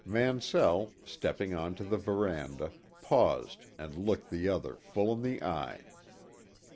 Mansell, stepping on to the veranda, paused and looked the other full in the eye.